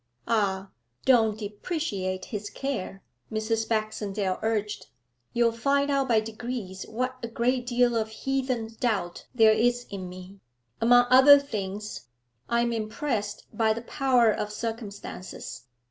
'Ah, don't depreciate his care!' Mrs. Baxendale urged. 'You'll find out by degrees what a great deal of heathen doubt there is in me; among other things, I am impressed by the power of circumstances.